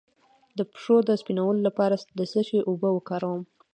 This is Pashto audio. د پښو د سپینولو لپاره د څه شي اوبه وکاروم؟